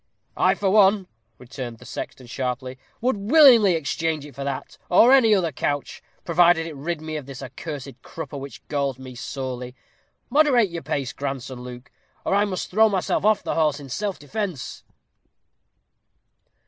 "I for one," returned the sexton, sharply, "would willingly exchange it for that, or any other couch, provided it rid me of this accursed crupper, which galls me sorely. Moderate your pace, grandson Luke, or I must throw myself off the horse in self defence."